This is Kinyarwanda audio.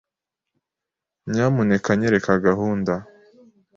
Nyamuneka nyereka gahunda.